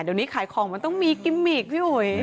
เดี๋ยวนี้ขายของมันต้องมีกิมมิกพี่อุ๋ย